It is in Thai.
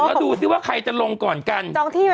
ก็ดูเท่าว่าใครจะลงก่อนกัน